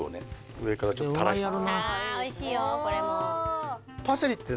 上からちょっとたらしておっ